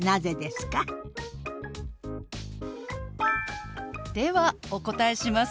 ではお答えします。